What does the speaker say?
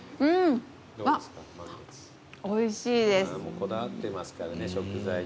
こだわってますからね食材に。